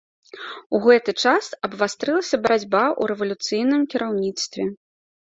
У гэты час абвастрылася барацьба ў рэвалюцыйным кіраўніцтве.